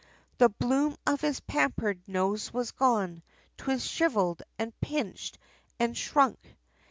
The bloom of his pampered nose was gone, 'twas shrivelled, and pinched, and shrunk!